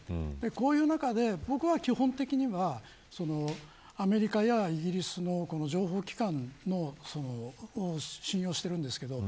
こういう中で、僕は基本的にはアメリカやイギリスの情報機関の信用しているんですけれども。